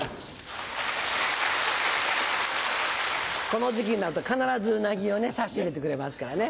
この時期になると必ずウナギをね差し入れてくれますからね。